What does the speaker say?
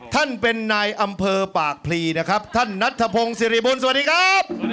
ท่านเป็นนายอำเภอปากพลีนะครับท่านนัทธพงศ์สิริบูรณสวัสดีครับ